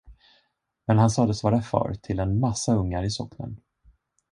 Men han sades vara far till en massa ungar i socknen.